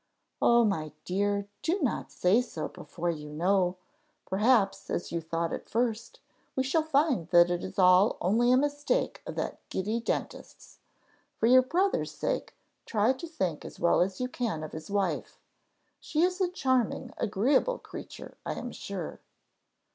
"Oh, my dear, do not say so before you know; perhaps, as you thought at first, we shall find that it is all only a mistake of that giddy dentist's; for your brother's sake try to think as well as you can of his wife; she is a charming agreeable creature, I am sure."